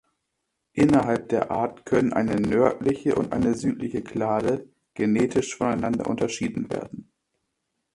Innerhalb der Art können eine nördliche und eine südliche Klade genetisch voneinander unterschieden werden.